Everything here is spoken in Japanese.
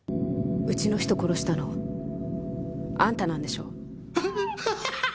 うちの人殺したのあんたなんでしょ？